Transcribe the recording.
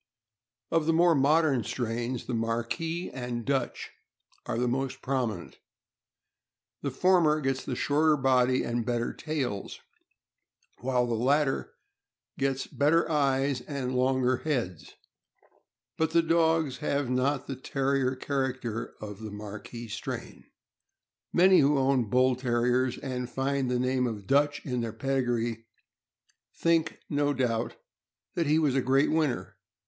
Of the more modern strains, the Marquis and Dutch are the most prominent. The former gets the shorter body and better tails, while the latter gets better eyes and longer heads, but the dogs have not the Terrier character of the Marquis strain. Many who own Bull Terriers, and find the name of Dutch in their pedigree, think, no doubt, that he was a great winner.